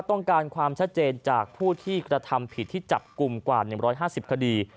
ต้องการความชัดเจนจากผู้ที่กระทำผิดที่จับกลุ่มกว่า๑๕๐คดี